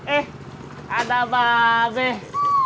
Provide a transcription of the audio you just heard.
eh ada apa sih